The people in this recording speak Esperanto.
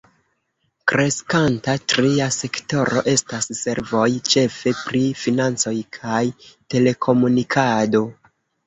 Kreskanta tria sektoro estas servoj, ĉefe pri financoj kaj telekomunikado.